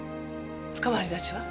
つかまり立ちは？